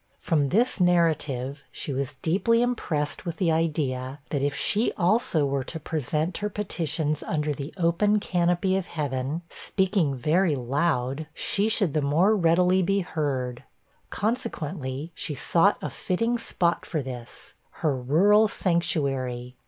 From this narrative, she was deeply impressed with the idea, that if she also were to present her petitions under the open canopy of heaven, speaking very loud, she should the more readily be heard; consequently, she sought a fitting spot for this, her rural sanctuary.